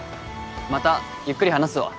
またゆっくり話すわ。